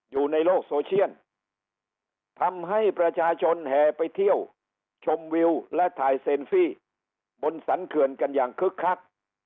อยู่ในโลกโซเชียลทำให้ประชาชนแห่ไปเที่ยวชมวิวและถ่ายเซลฟี่บนสรรเขื่อนกันอย่างคึกคัก